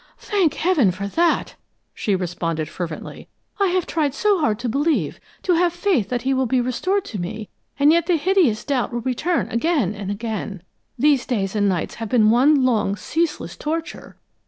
"Thank heaven for that!" she responded fervently. "I have tried so hard to believe, to have faith that he will be restored to me, and yet the hideous doubt will return again and again. These days and nights have been one long, ceaseless torture!"